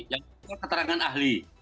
yang kedua keterangan ahli